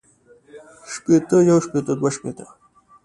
شپېتۀ يو شپېته دوه شپېته